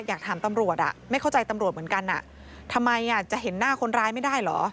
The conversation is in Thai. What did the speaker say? อยากถามตำรวจอ่ะไม่เข้าใจตำรวจเหมือนกันอ่ะทำไมจะเห็นหน้าคนร้ายไม่ได้เหรอ